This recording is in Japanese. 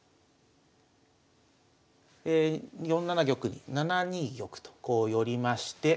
４七玉に７二玉とこう寄りまして。